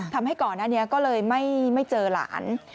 ทำให้ก่อนหน้านี้ก็เลยไม่เจอหลาน